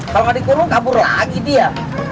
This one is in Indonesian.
kalau nggak dikurung kabur lagi dia